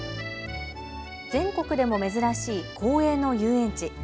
全国でも珍しい公営の遊園地。